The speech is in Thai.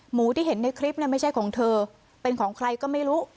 หมูที่เห็นในคลิปไม่ใช่ของเธอเป็นของใครก็ไม่รู้